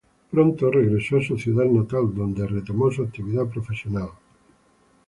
Pronto regresó a su ciudad natal, donde retomó su actividad profesional.